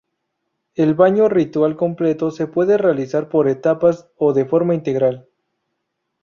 El baño ritual completo se puede realizar por etapas o de forma integral.